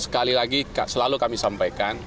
sekali lagi selalu kami sampaikan